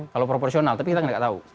kalau proporsional tapi kita nggak tahu